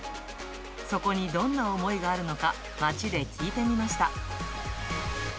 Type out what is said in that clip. そこにどんな思いがあるのか、街で聞いてみました。